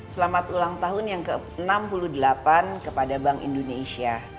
selamat ulang tahun yang ke enam puluh delapan kepada bank indonesia